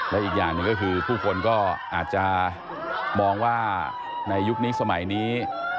และอีกอย่างหนึ่งก็คือผู้คนก็อาจจะมองว่าในยุคนี้สมัยนี้